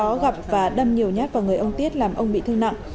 nguyễn minh tuấn gặp và đâm nhiều nhát vào người ông tiết làm ông bị thương nặng